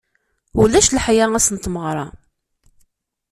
Ulac leḥya ass n tmeɣra.